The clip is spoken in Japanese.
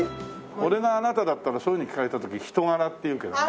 俺があなただったらそういうふうに聞かれた時人柄って言うけどね。